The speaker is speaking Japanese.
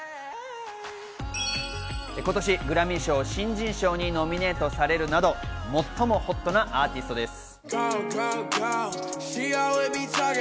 今年、グラミー賞新人賞にノミネートされるなど最もホットなアーティストです。